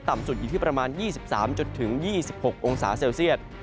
สุดอยู่ที่ประมาณ๒๓๒๖องศาเซลเซียต